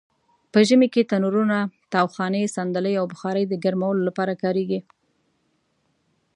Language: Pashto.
په ژمې کې تنرونه؛ تاوخانې؛ صندلۍ او بخارۍ د ګرمولو لپاره کاریږي.